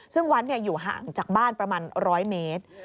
ซึ่งวัดอยู่ห่างจากบ้านประมาณ๑๐๐เมตร